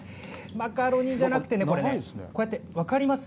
マカロニじゃなくて、これね、こうやって、分かります？